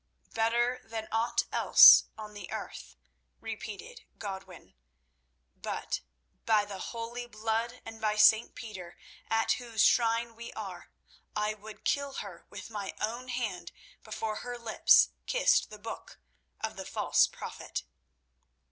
"Better than aught else on the earth," repeated Godwin; "but, by the Holy Blood and by St. Peter, at whose shrine we are, I would kill her with my own hand before her lips kissed the book of the false prophet."